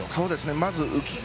まず浮き方。